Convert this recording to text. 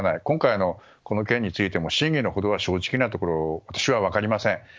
今回、この件についても真偽のほどは正直なところ、私は分かりません。